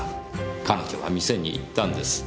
彼女は店に行ったんです。